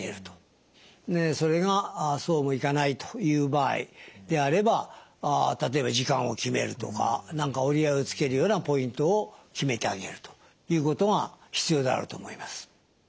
それがそうもいかないという場合であれば例えば時間を決めるとか何か折り合いをつけるようなポイントを決めてあげるということが必要であると思います。